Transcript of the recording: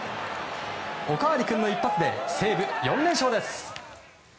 おかわり君の一発で西武４連勝です。